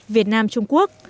việt nam trung quốc